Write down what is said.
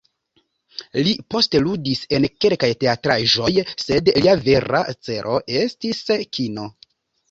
Li poste ludis en kelkaj teatraĵoj, sed lia vera celo estis kino.